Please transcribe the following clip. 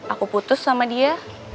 aku putus sama dia